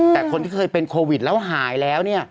แต่คนที่เคยเป็นโควิดแล้วหายแล้ว